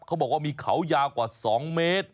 เขาบอกว่ามีเขายาวกว่า๒เมตร